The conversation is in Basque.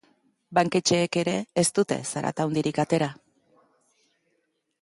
Banketxeek ere ez dute zarata handirik atera.